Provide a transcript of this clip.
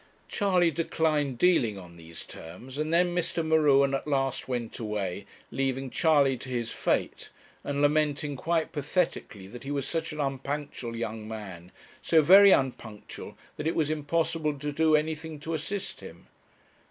Charley declined dealing on these terms; and then Mr. M'Ruen at last went away, leaving Charley to his fate, and lamenting quite pathetically that he was such an unpunctual young man, so very unpunctual that it was impossible to do anything to assist him.